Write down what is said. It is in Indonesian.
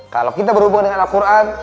kalau kita berhubungan dengan alquran